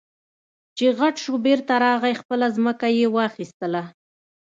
چې غټ شو بېرته راغی خپله ځمکه يې واخېستله.